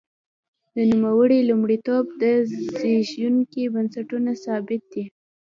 د نوموړي لومړیتوب د زبېښونکو بنسټونو ثبات و.